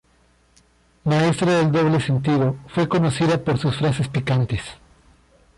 Maestra del doble sentido, fue conocida por sus frases picantes.